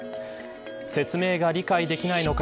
説明が理解できないのか。